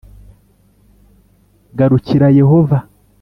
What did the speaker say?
Garukira Yehova